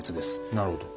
なるほど。